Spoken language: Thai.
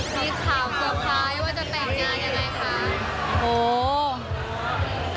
มีข่าวเกือบคล้ายว่าจะแต่งงานยังไงคะ